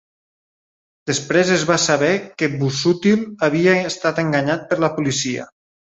Després es va saber que Busuttil havia estat enganyat per la policia.